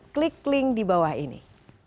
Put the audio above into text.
klik link di bawah ini